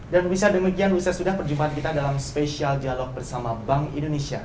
dan bisa demikian bisa sudah perjumpaan kita dalam spesial dialog bersama bank indonesia